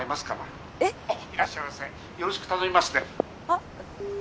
あっ。